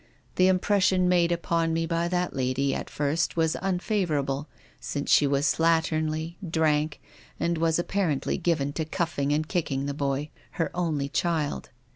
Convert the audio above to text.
The impression made upon me by that lady at first was unfavourable, since she was slatternly, drank, and was apparently given to cuffing and lacking the boy — her only child.